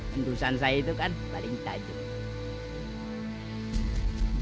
endusan saya itu kan paling tajam